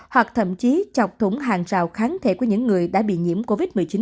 hoặc thậm chí chọc thủng hạ